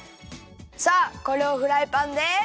さあこれをフライパンで。